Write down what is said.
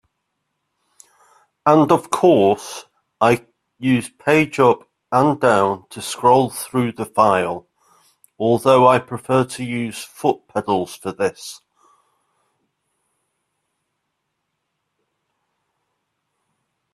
And of course I use page up and down to scroll through the file, although I prefer to use foot pedals for this.